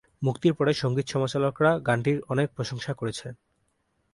মুক্তির পরে সঙ্গীত সমালোচকরা গানটির অনেক প্রশংসা করেছেন।